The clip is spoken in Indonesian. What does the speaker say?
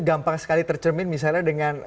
gampang sekali tercermin misalnya dengan